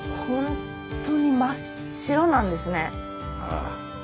ああ。